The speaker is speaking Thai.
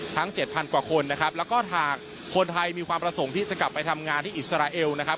เจ็ดพันกว่าคนนะครับแล้วก็หากคนไทยมีความประสงค์ที่จะกลับไปทำงานที่อิสราเอลนะครับ